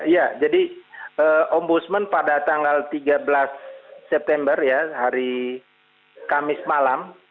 ya jadi ombudsman pada tanggal tiga belas september ya hari kamis malam